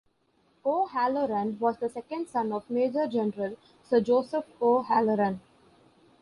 O'Halloran was the second son of Major-General Sir Joseph O'Halloran.